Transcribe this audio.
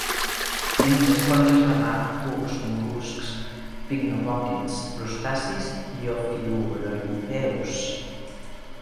Menja esponges de mar, cucs, mol·luscs, picnogònids, crustacis i ofiuroïdeus.